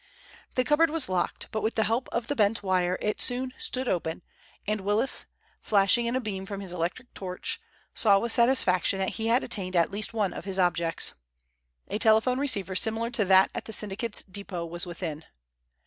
The cupboard was locked, but with the help of the bent wire it soon stood open and Willis, flashing in a beam from his electric torch, saw with satisfaction that he had attained at least one of his objects. A telephone receiver similar to that at the syndicate's depot was within.